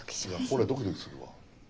これドキドキするわ。